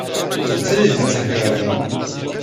"to ty wicehrabio."